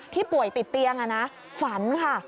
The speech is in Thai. ป่วยติดเตียงฝันค่ะ